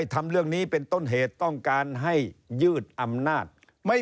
ทำเรื่องนี้เป็นต้นเหตุต้องการให้ยืดอำนาจ